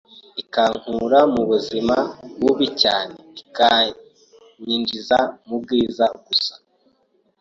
ikankura mu buzima bubi cyane ikanyinjiza mu bwiza gusa,